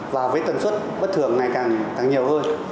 và với tần suất bất thường ngày càng càng nhiều hơn